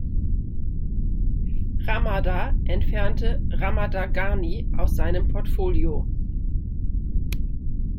Ramada entfernte „Ramada Garni“ aus seinem Portfolio.